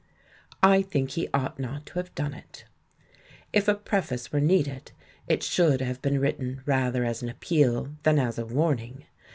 I think he ought not to have done it. If a preface were needed, it should have been written rather as an appeal, than as a warning.